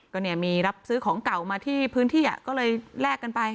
ก็เนี่ยมีรับซื้อของเก่ามาที่พื้นที่ก็เลยแลกกันไป